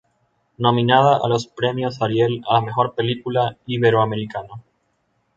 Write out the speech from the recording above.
Nominada a los premios Ariel a la mejor película iberoamericana.